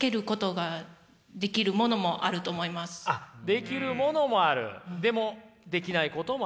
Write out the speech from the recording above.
あっできるものもある？